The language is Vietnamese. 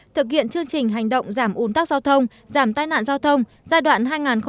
thực hiện chương trình hành động giảm ủn tắc giao thông giảm tai nạn giao thông giai đoạn hai nghìn một mươi sáu hai nghìn hai mươi